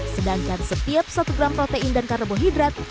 sedangkan setiap satu gram protein dan karbohidrat